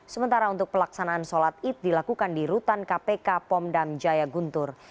sementara untuk pelaksanaan sholat id dilakukan di rutan kpk pomdam jaya guntur